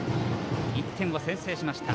１点を先制しました。